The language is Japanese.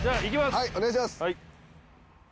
はいお願いします。